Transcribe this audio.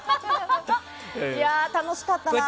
楽しかったな。